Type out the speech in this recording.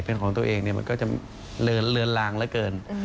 เป็นของตัวเองนะมันก็จะเลินลางและเกิน